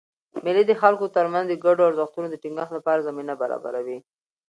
مېلې د خلکو ترمنځ د ګډو ارزښتونو د ټینګښت له پاره زمینه برابروي.